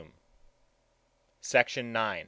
SECTION IX.